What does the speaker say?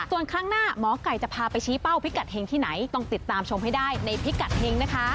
ส่วนครั้งหน้าหมอไก่จะพาไปชี้เป้าพิกัดเฮงที่ไหนต้องติดตามชมให้ได้ในพิกัดเฮงนะคะ